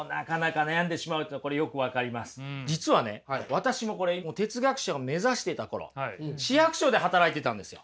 私も哲学者を目指していた頃市役所で働いてたんですよ。